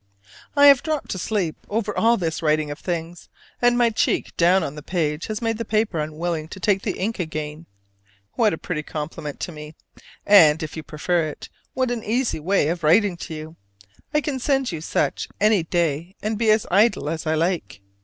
I have dropped to sleep over all this writing of things, and my cheek down on the page has made the paper unwilling to take the ink again: what a pretty compliment to me: and, if you prefer it, what an easy way of writing to you! I can send you such any day and be as idle as I like.